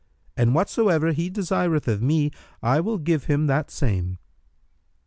And whatsoever he desireth of me, I will give him that same."